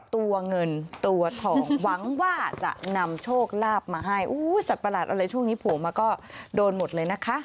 ตัวเงินตัวทองหวังว่าจะนำโชคลาภมาให้สัตว์ประหลาดอะไรช่วงนี้โผล่มาก็โดนหมดเลยนะคะ